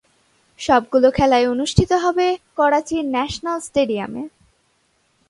সবগুলো খেলাই অনুষ্ঠিত হবে করাচির ন্যাশনাল স্টেডিয়ামে।